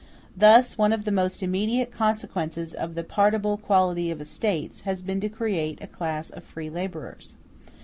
Thus one of the most immediate consequences of the partible quality of estates has been to create a class of free laborers.